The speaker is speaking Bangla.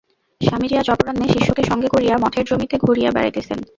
স্বামীজী আজ অপরাহ্নে শিষ্যকে সঙ্গে করিয়া মঠের জমিতে ঘুরিয়া বেড়াইতেছেন।